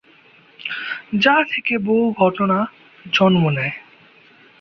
যা থেকে বহু ঘটনা জন্ম নেয়।